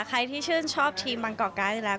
ใครที่ชื่นชอบทีมบางกอกกราศ